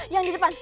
yang di depan